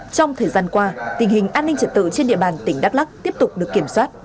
trong thời gian qua tình hình an ninh trật tự trên địa bàn tỉnh đắk lắc tiếp tục được kiểm soát